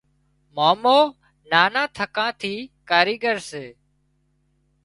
مامو نانان ٿڪان ٿي ڪاريڳر سي